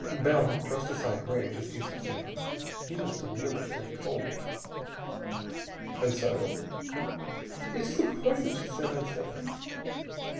Bell had thrust aside rage as useless, now. He was deliberately cold. "And so?" "It is a poison," she said unsteadily.